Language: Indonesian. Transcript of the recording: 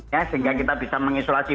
ya sehingga kita bisa mengisolasi